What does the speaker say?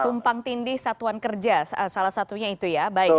tumpang tindih satuan kerja salah satunya itu ya